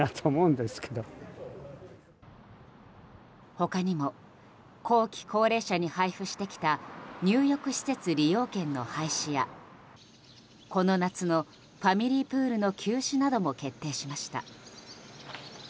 他にも後期高齢者に配布してきた入浴施設利用券の廃止やこの夏のファミリープールの休止なども決定しました。